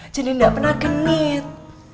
jadi gak pernah genit